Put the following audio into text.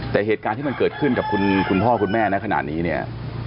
แต่เหตุการณ์ที่มันเกิดขึ้นกับคุณพ่อคุณแม่นะขนาดนี้เนี่ย